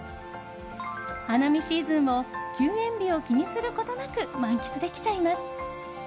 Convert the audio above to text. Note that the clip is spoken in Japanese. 花見シーズンを休園日を気にすることなく満喫できちゃいます。